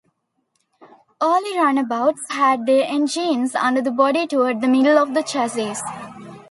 Early runabouts had their engines under the body toward the middle of the chassis.